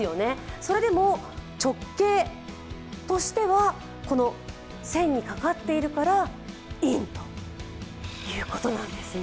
それでも直径としては線にかかっているからインということなんですね。